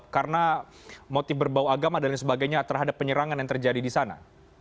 karena motif berbau agama dan lain sebagainya terhadap penyerangan yang terjadi di sana